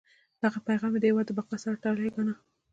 دغه پیغام یې د هیواد د بقا سره تړلی ګاڼه.